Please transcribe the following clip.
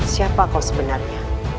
siapa kau sebenarnya